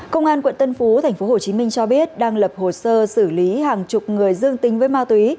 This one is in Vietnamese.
công an quận tân phú tp hcm cho biết đang lập hồ sơ xử lý hàng chục người dương tính với ma túy